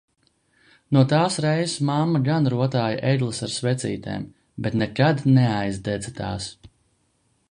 No tās reizes mamma gan rotāja egles ar svecītēm, bet nekad neaidedza tās!